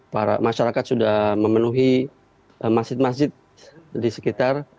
para masyarakat sudah memenuhi masjid masjid di sekitar